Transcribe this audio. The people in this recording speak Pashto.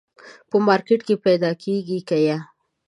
په مارکېټ کي پیدا کېږي که یه ؟